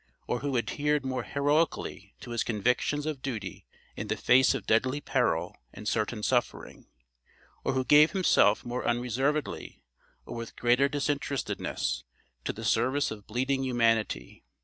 Or who adhered more heroically to his convictions of duty in the face of deadly peril and certain suffering? Or who gave himself more unreservedly, or with greater disinterestedness, to the service of bleeding humanity?